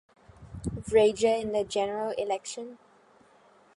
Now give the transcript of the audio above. Frazier in the general election.